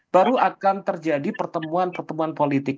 baru akan terjadi pertemuan pertemuan politik